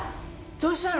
どうしたの？